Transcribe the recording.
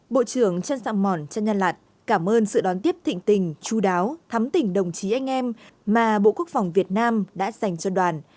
bộ trưởng trần sạ mòn trân nha lạt cảm ơn sự đón tiếp thịnh tình chú đáo thắm tình đồng chí anh em mà bộ quốc phòng việt nam đã dành cho đoàn